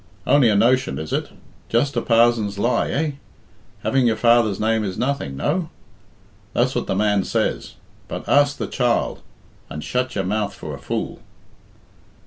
Only a notion, is it? Just a parzon's lie, eh? Having your father's name is nothing no? That's what the man says. But ask the child, and shut your mouth for a fool."